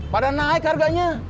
padahal naik harganya